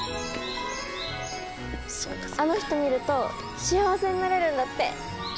あの人見ると幸せになれるんだって。